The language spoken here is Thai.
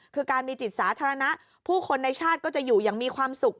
คือการมีจิตสาธารณะผู้คนในชาติก็จะอยู่อย่างมีความสุข